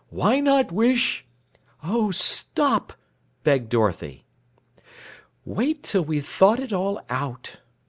"Why not wish " "Oh, stop!" begged Dorothy. "Wait till we've thought it all out.